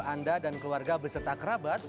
anda dan keluarga beserta kerabat